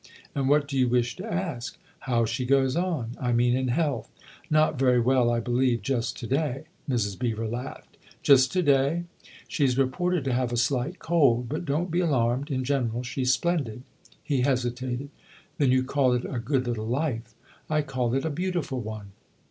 " And what do you wish to ask ?"" How she goes on I mean in health," THE OTHER HOUSE 125 " Not very well, I believe, just to day !" Mrs. Beever laughed. " Just to day ?"" She's reported to have a slight cold. But don't be alarmed. In general she's splendid." He hesitated. "Then you call it a good little life ?"" 1 call it a beautiful one